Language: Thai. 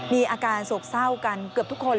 มีอาการโศกเศร้ากันเกือบทุกคน